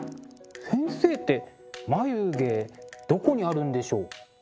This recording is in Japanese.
先生って眉毛どこにあるんでしょう？